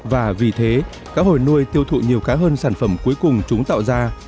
và vì thế cá hồi nuôi tiêu thụ nhiều cá hơn sản phẩm cuối cùng chúng tạo ra